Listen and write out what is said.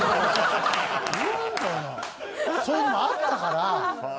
そういうのもあったから。